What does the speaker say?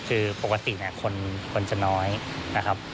คือปกติคนจะน้อยนะครับ